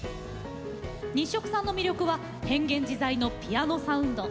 日食さんの魅力は変幻自在のピアノサウンド。